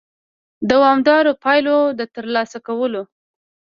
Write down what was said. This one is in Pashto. د دوامدارو پایلو د ترلاسه کولو